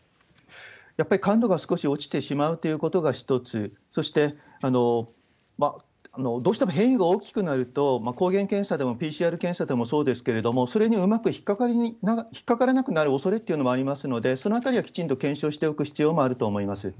やっぱり感度が少し落ちてしまうということが一つ、そしてどうしても変異が大きくなると、抗原検査でもＰＣＲ検査でもそうですけれども、それにうまく引っ掛からなくなるおそれっていうのもありますので、そのあたりはきちんと検証しておく必要もあると思います。